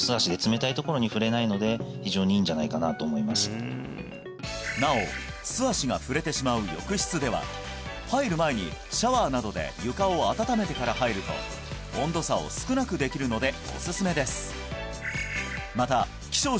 へえやはりなお素足が触れてしまう浴室では入る前にシャワーなどで床を温めてから入ると温度差を少なくできるのでおすすめです